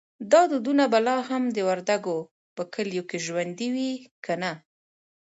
دا دودونه به لا هم د وردګو په کلیو کې ژوندی وي که نه؟